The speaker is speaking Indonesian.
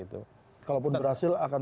itu kalaupun berhasil akan